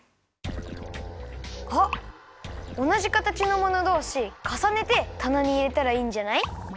あっおなじ形のものどうしかさねてたなにいれたらいいんじゃない？